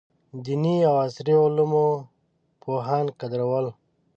دیني او عصري علومو پوهان قدرول.